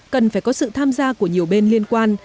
cần phải có sự tham gia của nhiều bên liên quan